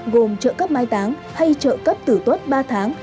gồm trợ cấp mai táng hay trợ cấp tử tuất ba tháng